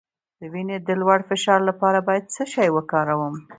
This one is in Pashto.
د وینې د لوړ فشار لپاره باید څه شی وکاروم؟